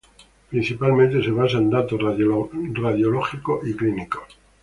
Principalmente se basa en datos radiológicos y clínicos.